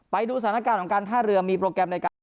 ไปดูสถานการณ์ของการท่าเรือมีโปรแกรมในการ